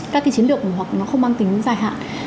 các cái chiến lược hoặc nó không mang tính dài hạn